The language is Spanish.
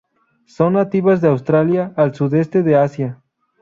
Son nativas de Australia al sudeste de Asia.